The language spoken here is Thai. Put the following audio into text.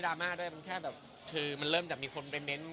ถามว่าผมสนิทกับครูไหมก็คือ